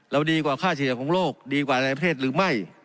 ดีกว่าค่าเฉลี่ยของโลกดีกว่าในประเทศหรือไม่